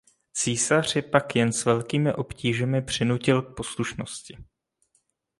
Císař je pak jen s velkými obtížemi přinutil k poslušnosti.